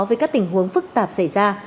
với các tình huống phức tạp xảy ra